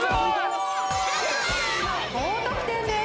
高得点です！